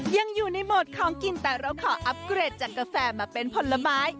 ยังอยู่ในโหมดของกินแต่เราขออัพเกรดจากกาแฟมาเป็นผลไม้